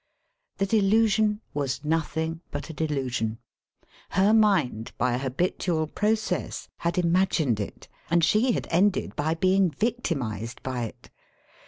The delusion was nothing but a delusion. Her mind, by a habitual process, had ima^ncd it, and she had ended by being victimised by it.